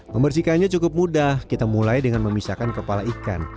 membersihkannya cukup mudah kita mulai dengan memisahkan kepala ikan